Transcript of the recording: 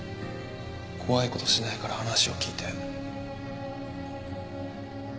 怖い事しないから話を聞いて。